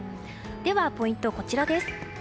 では、ポイントはこちらです。